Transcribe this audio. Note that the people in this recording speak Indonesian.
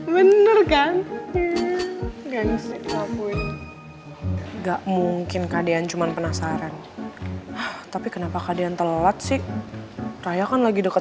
bener kan enggak mungkin kalian cuman penasaran tapi kenapa keadaan telat sih raya kan lagi dekat